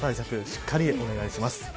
しっかりお願いします。